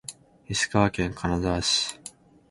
石川県金沢市